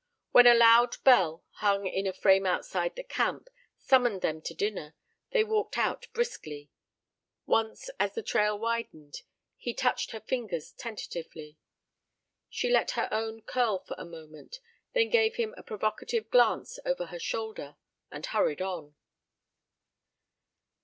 When a loud bell, hung in a frame outside the camp, summoned them to dinner, they walked out briskly. Once, as the trail widened, he touched her fingers tentatively. She let her own curl for a moment, then gave him a provocative glance over her shoulder and hurried on.